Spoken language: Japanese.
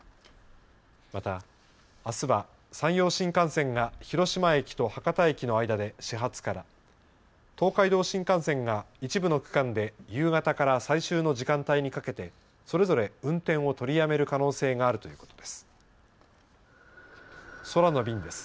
また、あすは山陽新幹線が広島駅と博多駅の間で始発から東海道新幹線が一部の区間で夕方から最終の時間帯にかけてそれぞれ運転を取りやめる可能性があるということです。